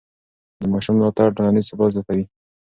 د ماشوم ملاتړ ټولنیز ثبات زیاتوي.